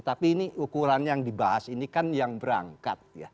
tapi ini ukuran yang dibahas ini kan yang berangkat ya